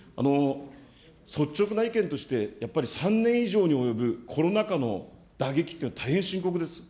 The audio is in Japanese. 率直な意見として、やっぱり３年以上に及ぶコロナ禍の打撃というのは大変深刻です。